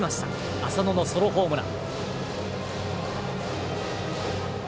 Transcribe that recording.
浅野のソロホームラン。